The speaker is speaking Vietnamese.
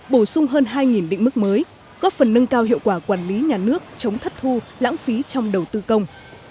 bổ sung hơn hai định mức mới góp phần nâng cao hiệu quả quản lý nhà nước chống thất thu lãng phí trong đầu tư công